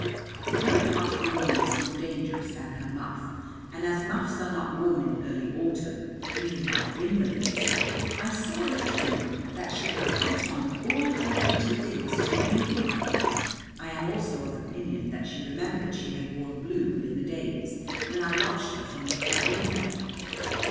No part of a woman is more dangerous than her muff, and as muffs are not worn in early autumn, even by invalids, I saw in a twink, that she had put on all her pretty things to wheedle me. I am also of opinion that she remembered she had worn blue in the days when I watched her from the club window.